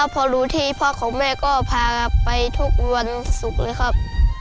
พอรู้ที่พ่อของแม่ก็พาไปทุกวันศุกร์เลยครับ